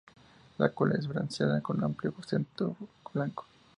La cola es bronceada, con amplio centro blanco.